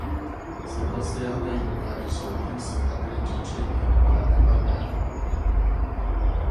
Se você anda em lugares ruins, acredite em mim, vá devagar.